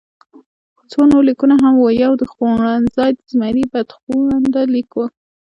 څو نور لیکونه هم وو، یو د خوړنځای د زمري بدخونده لیک وو.